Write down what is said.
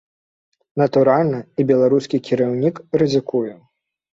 Натуральна, і беларускі кіраўнік рызыкуе.